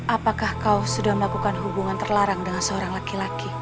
apakah kau sudah melakukan hubungan terlarang dengan seorang laki laki